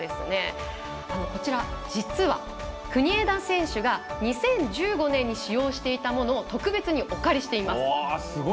実は、国枝選手が２０１５年に使用していたものを特別にお借りしています。